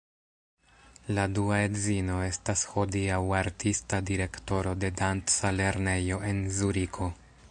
La dua edzino estas hodiaŭ artista direktoro de danca lernejo en Zuriko.